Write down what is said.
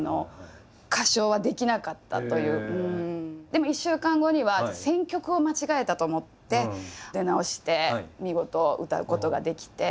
でも１週間後には選曲を間違えたと思って出直して見事歌うことができて。